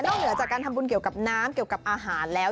เหนือจากการทำบุญเกี่ยวกับน้ำเกี่ยวกับอาหารแล้ว